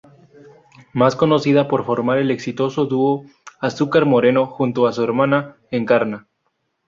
Más conocida por formar el exitoso dúo Azúcar Moreno junto a su hermana, Encarna.